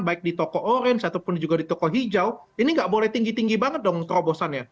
baik di toko orange ataupun juga di toko hijau ini nggak boleh tinggi tinggi banget dong terobosannya